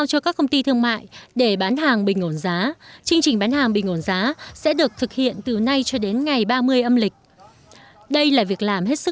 tổng công ty thương mại quảng trị đã mở thêm quầy hàng thịt lợn và thịt bò bình ồn giá